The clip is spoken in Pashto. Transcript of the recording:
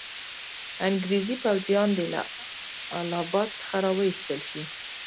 انګریزي پوځیان دي له اله اباد څخه را وایستل شي.